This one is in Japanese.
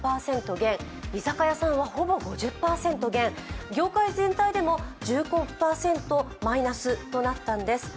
減居酒屋さんはほぼ５０％減、業界全体でも１５％マイナスとなったんです。